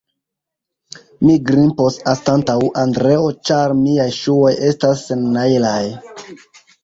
mi grimpos anstataŭ Andreo, ĉar miaj ŝuoj estas sennajlaj.